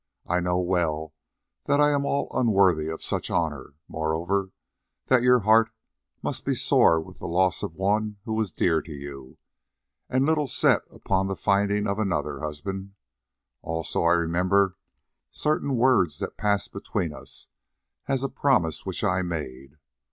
I know well that I am all unworthy of such honour, moreover, that your heart must be sore with the loss of one who was dear to you, and little set upon the finding of another husband; also I remember certain words that passed between us and a promise which I made.